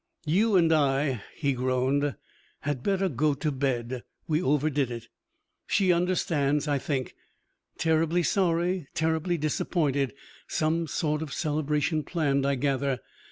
"You and I," he groaned, "had better go to bed. We overdid it. She understands, I think. Terribly sorry, terribly disappointed. Some sort of celebration planned, I gather.